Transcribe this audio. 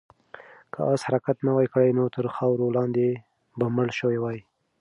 که آس حرکت نه وای کړی، نو تر خاورو لاندې به مړ شوی وای.